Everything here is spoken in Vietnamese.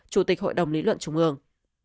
chủ tịch hội đồng lý luận trung ương